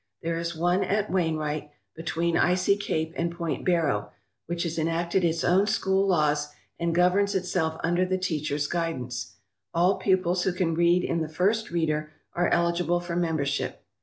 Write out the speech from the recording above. There is one at Wain wright, between Icy Cape and Point Barrow, which has enacted its own school laws and governs itself under the teacher's guidance. All pupils who can read in the first reader are eligible for membership.